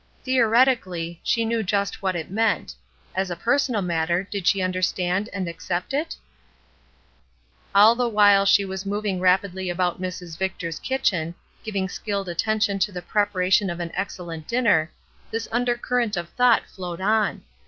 Theoretically, she knew just what it meant; as a personal matter did she under stand and accept it? 216 ESTER RIED'S NAMESAKE All the while she was moving rapidly about Mrs. Victor's kitchen, giving skilled attention to the preparation of an excellent dinner, this undercurrent of thought flowed on.